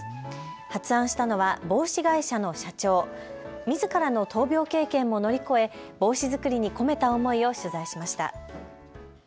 発案したのは帽子会社の社長、みずからの闘病経験も乗り越え帽子作りに込めた思いを取材しました。